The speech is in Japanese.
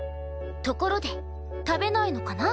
ところで食べないのかな？